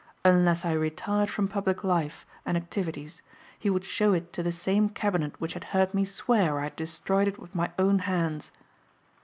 Unless I retired from public life and activities he would show it to the same cabinet which had heard me swear I had destroyed it with my own hands.